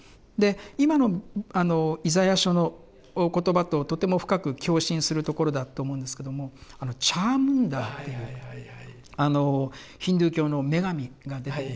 今の「イザヤ書」の言葉ととても深く共振するところだと思うんですけども「チャームンダー」っていうヒンズー教の女神が出てきます。